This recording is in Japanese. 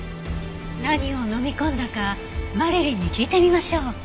何を飲み込んだかマリリンに聞いてみましょう。